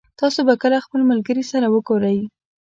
تاسو به کله خپل ملګري سره وګورئ